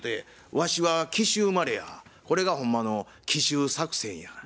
「わしは紀州生まれやこれがほんまの奇襲作戦やな」。